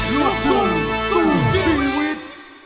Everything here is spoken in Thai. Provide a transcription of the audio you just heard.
แม่คนลูกลงอยู่ผมคนลูก